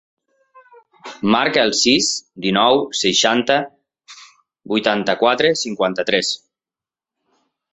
Marca el sis, dinou, seixanta, vuitanta-quatre, cinquanta-tres.